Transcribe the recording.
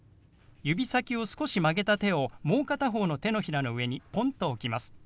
指先を少し曲げた手をもう片方の手のひらの上にポンと置きます。